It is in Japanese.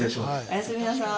おやすみなさい。